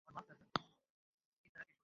আমাদের জন্য সংরক্ষিত কামরা থাকার কথা!